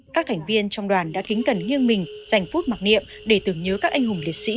các thành viên trong đoàn đã kính cẩn nghiêng mình dành phút mặc niệm để tưởng nhớ các anh hùng liệt sĩ